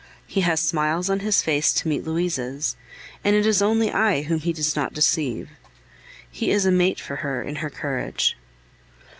He has smiles on his face to meet Louise's, and it is only I whom he does not deceive. He is a mate for her in courage.